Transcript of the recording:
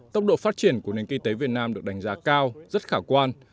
tốc độ phát triển của nền kinh tế việt nam được đánh giá cao rất khả quan